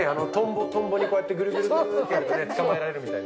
トンボにこうやってぐるぐるぐるってやってね捕まえられるみたいな。